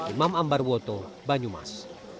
imam ambar woto banyumas